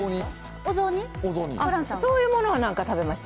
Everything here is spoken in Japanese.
そういうものは何か食べました。